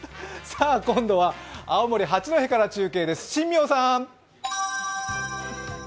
今度は青森・八戸から中継です。